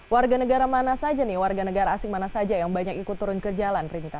warga negara mana saja nih warga negara asing mana saja yang banyak ikut turun ke jalan rinita